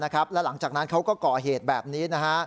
แล้วหลังจากนั้นเขาก็ก่อเหตุแบบนี้